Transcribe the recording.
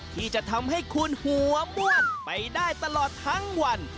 ที่จะทำให้คุณหัวม่วนไปได้ตลอดทั้งวัน